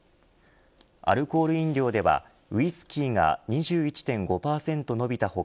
アルコール飲料ではウイスキーが２１．５％伸びた他